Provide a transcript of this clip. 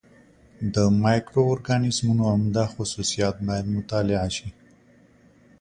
د مایکرو اورګانیزمونو عمده خصوصیات باید مطالعه شي.